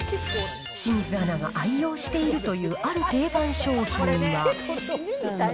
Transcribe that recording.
清水アナが愛用しているというある定番商品は。